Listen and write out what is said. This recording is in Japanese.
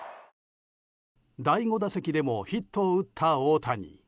第５打席でもヒットを打った大谷。